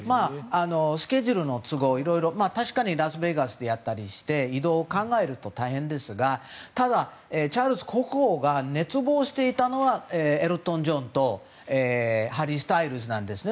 スケジュールの都合確かにラスベガスでやったりして移動を考えると大変ですがただ、チャールズ国王が熱望していたのはエルトン・ジョンとハリー・スタイルズなんですね。